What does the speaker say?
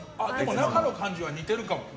中の感じは似てるかも。